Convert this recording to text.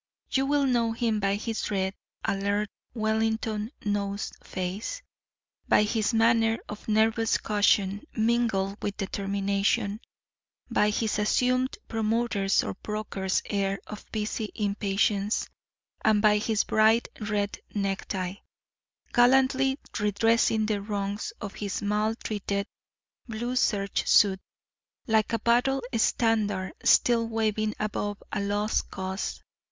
You will know him by his red, alert, Wellington nosed face, by his manner of nervous caution mingled with determination, by his assumed promoter's or broker's air of busy impatience, and by his bright red necktie, gallantly redressing the wrongs of his maltreated blue serge suit, like a battle standard still waving above a lost cause.